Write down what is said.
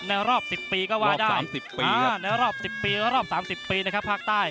ในรอบสิบปีก็ว่าได้ครับในรอบแสบสิบปีภาคใต้